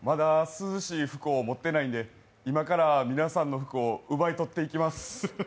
涼しい服を持ってないんで今から皆さんの服を奪い取っていきます